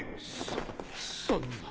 そそんな。